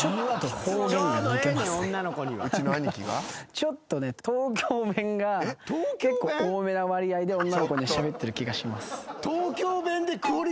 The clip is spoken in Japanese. ちょっとね東京弁が結構多めな割合で女の子にはしゃべってる気がします。